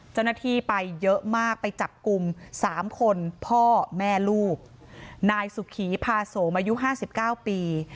เจ้าหน้าที่ไปเยอะมากไปจับกลุ่ม๓คนพ่อแม่ลูกนายสุขีพาโสมอายุ๕๙ปี